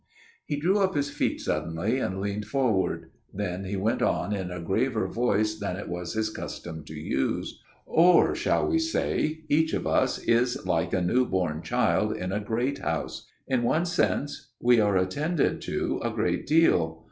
He drew up his feet suddenly, and leaned forward. Then he went on in a graver voice than it was his custom to use. " Or, shall we say, each of us is like a new born child in a great house ? In one sense, we are attended to a great deal.